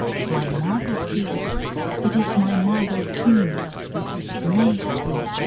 XXIII. "My marble keep! it is my marble tomb " "Nay, sweet!